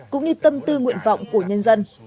cũng như tâm tư nguyện vọng của nhân dân